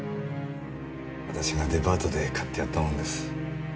私がデパートで買ってやったもんです。